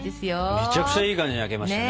めちゃくちゃいい感じに焼けましたね。